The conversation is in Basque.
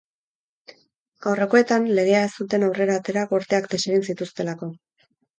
Aurrekoetan, legea ez zuten aurrera atera gorteak desegin zituztelako.